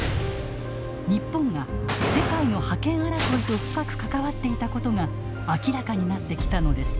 日本が世界の覇権争いと深く関わっていたことが明らかになってきたのです。